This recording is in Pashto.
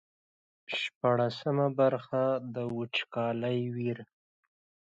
شپاړسمه برخه د وچکالۍ ویر.